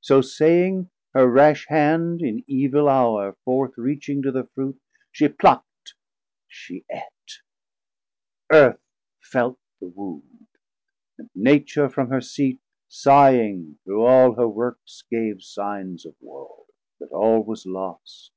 So saying, her rash hand in evil hour 780 Forth reaching to the Fruit, she pluck'd, she eat: Earth felt the wound, and Nature from her seat Sighing through all her Works gave signs of woe, That all was lost.